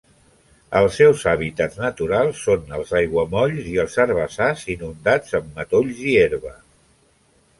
Els seus hàbitats naturals són els aiguamolls i els herbassars inundats amb matolls i herba.